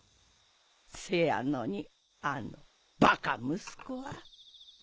せやのにあのバカ息子は。